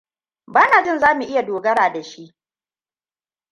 Ba na jin za mu iya dogara da shi.